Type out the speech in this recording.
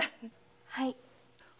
はい。